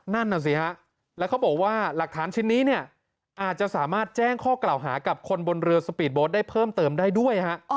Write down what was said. นั่นน่ะสิฮะแล้วเขาบอกว่าหลักฐานชิ้นนี้เนี่ยอาจจะสามารถแจ้งข้อกล่าวหากับคนบนเรือสปีดโบสต์ได้เพิ่มเติมได้ด้วยฮะ